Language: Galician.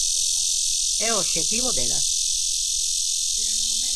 É o obxectivo dela.